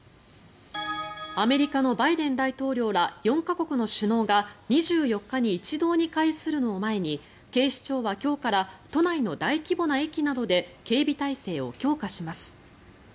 アメリカのバイデン大統領ら４か国の首脳が２４日に一堂に会するのを前に警視庁は今日から都内の大規模な駅などで警備態勢を強化します。